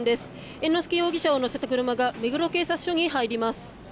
猿之助容疑者を乗せた車が目黒警察署に入ります。